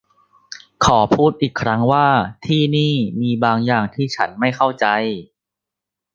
ขอพูดอีกครั้งว่าที่นี่มีบางอย่างที่ฉันไม่เข้าใจ